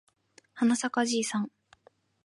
はなさかじいさん